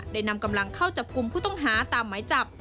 นำกำลังเข้าจับกลุ่มผู้ต้องหาตามหมายจับ